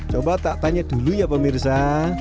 coba tak tanya dulu ya pemirsa